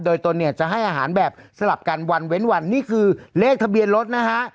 โดยตนเนี่ยจะให้อาหารแบบสลับกันวันเว้นวันนี่คือเลขทะเบียนรถนะฮะ